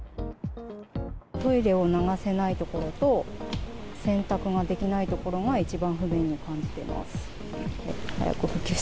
トイレを流せないところと、洗濯ができないところが一番不便に感じてます。